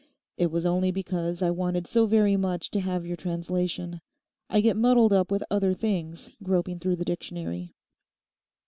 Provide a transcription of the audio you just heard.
'It was only because I wanted so very much to have your translation. I get muddled up with other things groping through the dictionary.